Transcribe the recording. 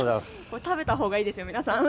食べたほうがいいですよ、皆さん。